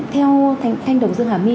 theo thanh đồng dương hà my